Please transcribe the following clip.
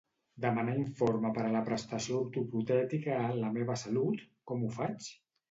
Demanar informe per a la prestació ortoprotètica a La meva salut, com ho faig?